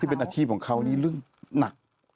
เป็นอาชีพของเขานี่เรื่องหนัก